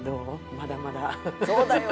まだまだそうだよ